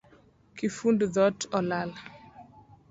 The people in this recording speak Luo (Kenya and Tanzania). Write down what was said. Kifund dhot olal